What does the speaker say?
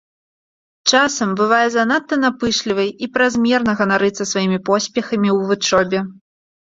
Часам бывае занадта напышлівай і празмерна ганарыцца сваімі поспехамі ў вучобе.